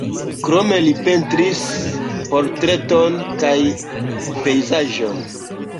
Krome li pentris portretojn kaj pejzaĝojn.